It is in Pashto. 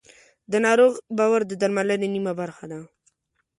د ناروغ باور د درملنې نیمه برخه ده.